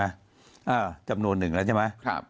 อ้าวจำนวนหนึ่งแล้วใช่ไหม